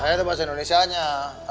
itu bahasa indonesia aja